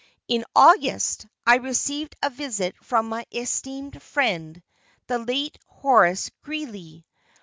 In August I received a visit from my esteemed friend, the late Horace Greeley.